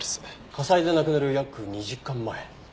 火災で亡くなる約２時間前。